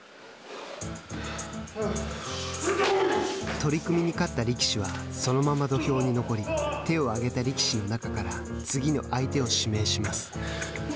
取組に勝った力士はそのまま土俵に残り手を挙げた力士の中から次の相手を指名します。